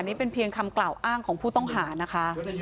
นี่เป็นเพียงคำกล่าวอ้างของผู้ต้องหานะคะ